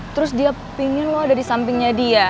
terus dia pingin lo ada di sampingnya dia